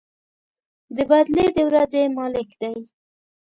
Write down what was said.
د بَدلې د ورځې مالك دی.